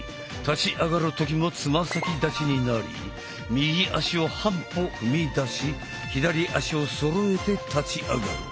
立ち上がる時もつま先立ちになり右足を半歩踏み出し左足をそろえて立ち上がる。